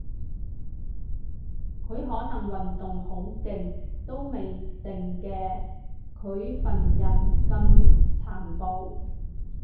佢可能運動好勁都未定嘅，佢份人咁殘暴